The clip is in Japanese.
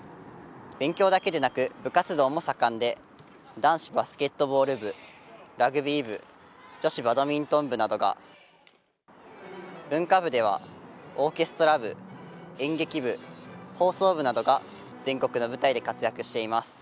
勉強だけでなく、部活動も盛んで男子バスケットボール部ラグビー部女子バドミントン部などが文化部では、オーケストラ部演劇部、放送部などが全国の舞台で活躍しています。